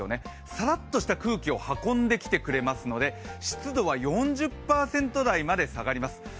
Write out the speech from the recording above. さらっとした空気を運んできてくれますので湿度は４０％台まで下がります。